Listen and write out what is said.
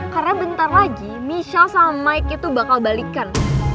karena bentar lagi michelle sama mike itu bakal balikan